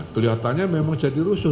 keliatannya memang jadi rusuh